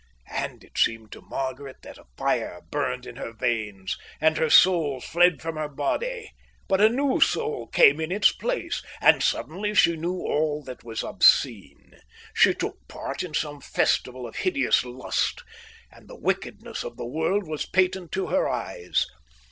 And it seemed to Margaret that a fire burned in her veins, and her soul fled from her body; but a new soul came in its place, and suddenly she knew all that was obscene. She took part in some festival of hideous lust, and the wickedness of the world was patent to her eyes.